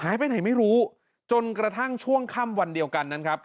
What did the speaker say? ไปไหนไม่รู้จนกระทั่งช่วงค่ำวันเดียวกันนั้นครับ